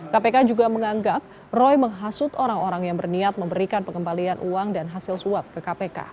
kpk juga menganggap roy menghasut orang orang yang berniat memberikan pengembalian uang dan hasil suap ke kpk